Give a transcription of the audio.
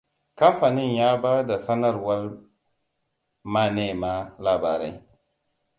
Kamfanin ya ba da sanarwar manema labarai.